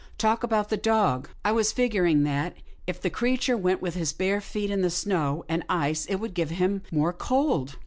" Talk about the dog. I was figuring that, if the creature went with his bare feet in the snow and ice, it would give him more cold."